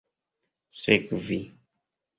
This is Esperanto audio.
sekvi